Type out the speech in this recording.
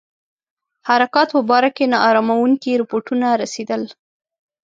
حرکاتو په باره کې نا اراموونکي رپوټونه رسېدل.